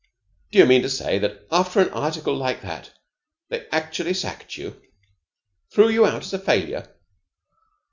Do you mean to say that, after an article like that, they actually sacked you? Threw you out as a failure?"